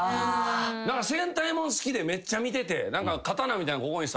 戦隊物好きでめっちゃ見てて何か刀みたいなのここに差して。